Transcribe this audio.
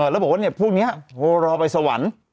แล้วบอกว่าพวกนี้รอไปสวรรค์